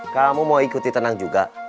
kamu mau ikut ditendang juga